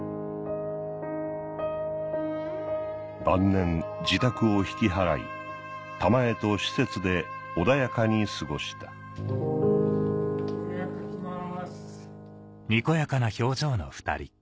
晩年自宅を引き払い玉枝と施設で穏やかに過ごしたご迷惑掛けます。